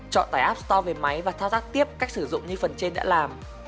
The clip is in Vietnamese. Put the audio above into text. chọn tải app store về máy và thao tác tiếp cách sử dụng như phần trên đã làm